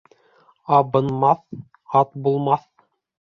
Абынмаҫ ат булмаҫ.